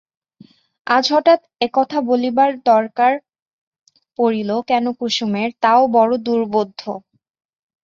আজ হঠাৎ একথা বলিবার দরকার পড়িল কেন কুসুমের, তাও বড় দুর্বোধ্য।